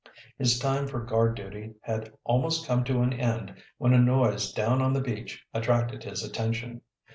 His time for guard duty had almost come to an end when a noise down on the beach attracted his attention.